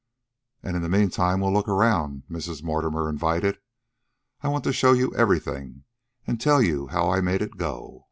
"And in the meantime, we'll look around," Mrs. Mortimer invited. "I want to show you everything, and tell you how I make it go.